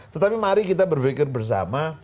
tetapi mari kita berpikir bersama